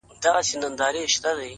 • دا ځلي غواړم لېونی سم د هغې مینه کي،